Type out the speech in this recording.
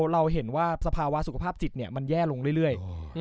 เราเห็นว่าสภาวะสุขภาพจิตมันแย่ลงเรื่อย